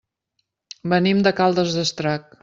Venim de Caldes d'Estrac.